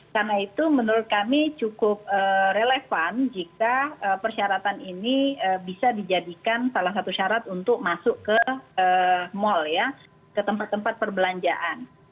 karena itu menurut kami cukup relevan jika persyaratan ini bisa dijadikan salah satu syarat untuk masuk ke mal ke tempat tempat perbelanjaan